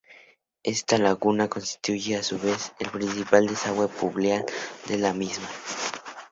Esta laguna constituye, a su vez, el principal desagüe pluvial de la misma.